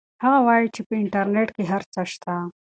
هغه وایي چې انټرنیټ کې هر څه شته.